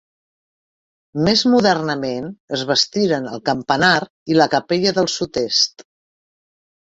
Més modernament es bastiren el campanar i la capella del sud-est.